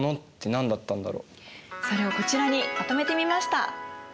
それをこちらにまとめてみました。